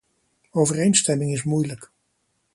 Overeenstemming is moeilijk.